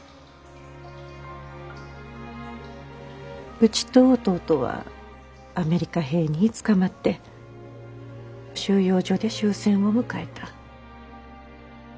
うちと弟はアメリカ兵につかまって収容所で終戦を迎えた。